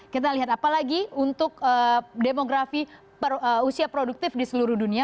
kita lihat apalagi untuk demografi usia produktif di seluruh dunia